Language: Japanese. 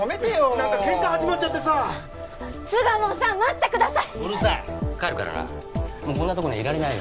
何かケンカ始まっちゃってさ巣鴨さん待ってくださいうるさい帰るからなもうこんなとこにはいられないよ